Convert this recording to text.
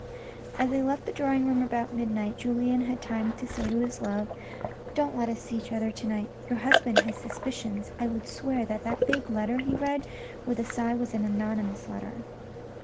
As they left the drawing room about midnight, Julien had time to say to his love, " Don't let us see each other to night. Your husband has suspicions. I would swear that that big letter he read with a sigh was an anonymous letter."